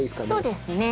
そうですね。